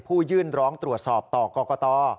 ยื่นร้องตรวจสอบต่อกรกต